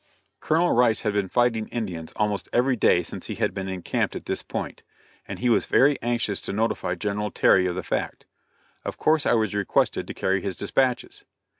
Colonel Rice had been fighting Indians almost every day since he had been encamped at this point, and he was very anxious to notify General Terry of the fact. Of course I was requested to carry his dispatches.